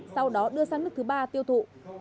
sau đó đưa sang nước thứ ba tiêu thụ